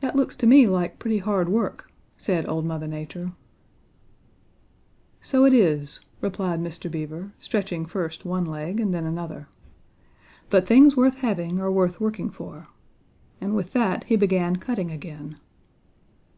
"'That looks to me like pretty hard work,' said Old Mother Nature. "'So it is,' replied Mr. Beaver, stretching first one leg and then another. 'But things worth having are worth working for,' and with that he began cutting again.